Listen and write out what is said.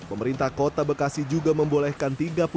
pemerintah kota bekasi juga membolehkan